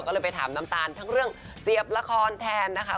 ก็เลยไปถามน้ำตาลทั้งเรื่องเสียบละครแทนนะคะ